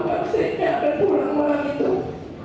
bahwa saya tidak akan pulang malam itu